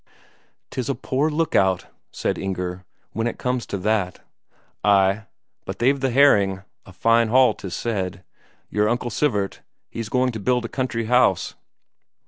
"'Tis a poor look out," said Inger, "when it comes to that." "Ay. But they've the herring. A fine haul, 'tis said. Your Uncle Sivert, he's going to build a country house."